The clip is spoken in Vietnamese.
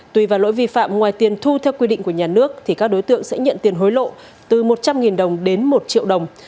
tùy vào lỗi vi phạm ngoài tiền thu theo quy định của nhà nước thì các đối tượng sẽ nhận tiền hối lộ từ một trăm linh đồng đến một triệu đồng